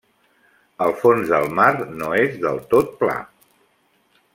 El fons del mar no és del tot pla.